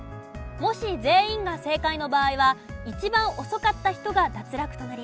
もし全員が正解の場合は一番遅かった人が脱落となります。